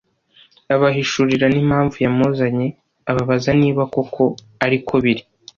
abahishurira n'impamvu yamuzanye, ababaza niba koko ari ko biri